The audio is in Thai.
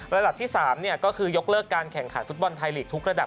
ระดับที่๓ก็คือยกเลิกการแข่งขันฟุตบอลไทยลีกทุกระดับ